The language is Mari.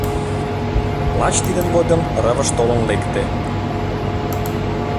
Лач тидын годым Рывыж толын лекте.